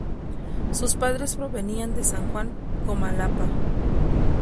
Sus padres provenían de San Juan Comalapa.